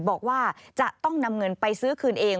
บอกว่าจะต้องนำเงินไปซื้อคืนเอง